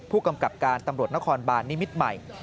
ผู้กำกับการตำรวจนครบานนิมิตรใหม่